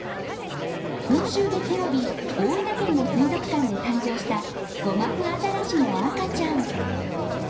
今週月曜日、大分県の水族館で誕生したゴマフアザラシの赤ちゃん。